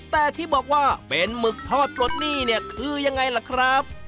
แต่ที่บอกว่าเป็นหมึกทอดปลดหนี้เนี่ยคือยังไงล่ะครับ